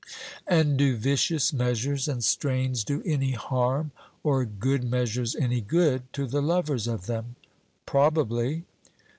And do vicious measures and strains do any harm, or good measures any good to the lovers of them? 'Probably.'